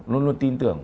luôn luôn tin tưởng